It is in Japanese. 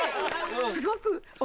すごく。